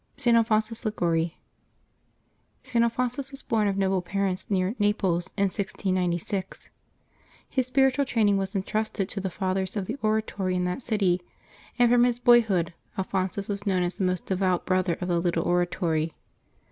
ST. ALPHONSUS LIGUORI. [T. Alphonsus was born of noble parents, near Naples, in 1696. His spiritual training was intrusted to the Fathers of the Oratory in that city, and from his boy hood Alphonsus was known as a most devout Brother of the Little Oratory.